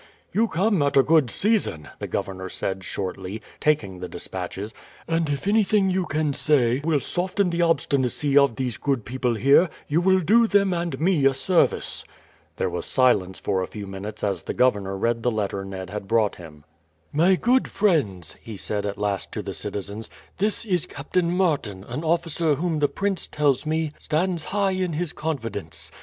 "You come at a good season," the governor said shortly, taking the despatches, "and if anything you can say will soften the obstinacy of these good people here, you will do them and me a service." There was silence for a few minutes as the governor read the letter Ned had brought him. "My good friends," he said at last to the citizens, "this is Captain Martin, an officer whom the prince tells me stands high in his confidence.